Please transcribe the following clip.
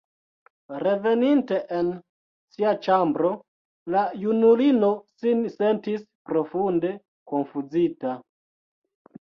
Reveninte en sia ĉambro, la junulino sin sentis profunde konfuzita.